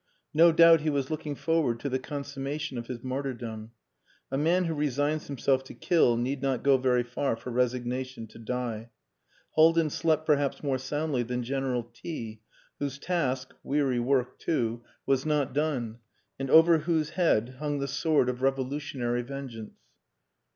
No doubt he was looking forward to the consummation of his martyrdom. A man who resigns himself to kill need not go very far for resignation to die. Haldin slept perhaps more soundly than General T , whose task weary work too was not done, and over whose head hung the sword of revolutionary vengeance.